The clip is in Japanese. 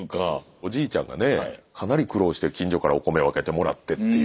おじいちゃんがねかなり苦労して近所からお米を分けてもらってっていう。